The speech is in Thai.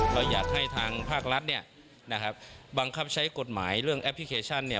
เราอยากให้ทางภาครัฐเนี่ยนะครับบังคับใช้กฎหมายเรื่องแอปพลิเคชันเนี่ย